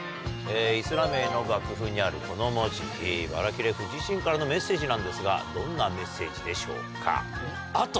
『イスラメイ』の楽譜にあるこの文字バラキレフ自身からのメッセージなんですがどんなメッセージでしょうか？